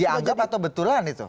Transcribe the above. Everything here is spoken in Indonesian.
dianggap atau betulan itu